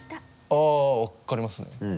あぁ分かりますね。